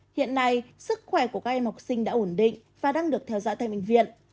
hiện nay sức khỏe của các em học sinh đã ổn định và đang được theo dõi tại bệnh viện